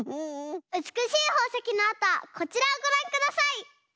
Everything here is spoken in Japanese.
うつくしいほうせきのあとはこちらをごらんください。